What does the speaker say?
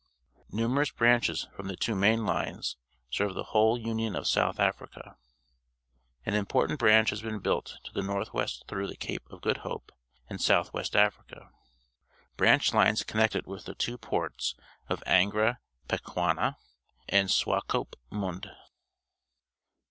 Numerous branches from the two main lines serve the whole Union of South Africa. An important branch has been built to the north west through Cape of Good Hope and South West Africa. Branch lines connect it with the two ports of Angra Pequena and Swakopmund.